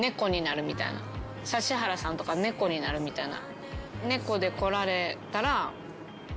指原さんとか猫になるみたいな。